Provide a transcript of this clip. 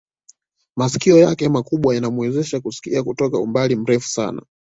Masikio yake makubwa yanamuwezesha kusikia kutoka umbali mrefu sana